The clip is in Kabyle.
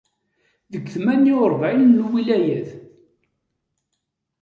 Deg tmanya u rebεun n lwilayat.